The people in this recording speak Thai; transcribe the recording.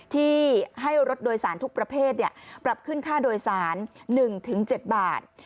ที่ให้รถโดยสารทุกประเภทปรับขึ้นค่าโดยสาร๑๗บาท